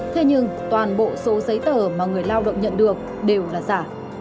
thế nhưng toàn bộ số giấy tờ mà người lao động nhận được đều là giả